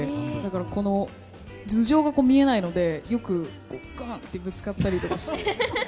この頭上が見えないのでよくガンってぶつかったりして。